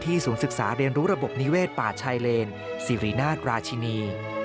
ศูนย์ศึกษาเรียนรู้ระบบนิเวศป่าชายเลนสิรินาทราชินี